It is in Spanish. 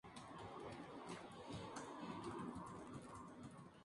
Bosques, setos.